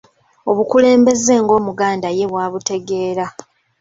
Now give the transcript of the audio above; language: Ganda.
Obukulembeze ng’Omuganda ye bw’abutegeera.